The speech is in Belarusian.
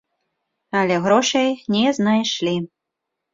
Але грошай не знайшлі.